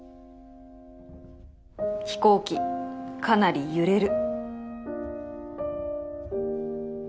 「飛行機かなり揺れる」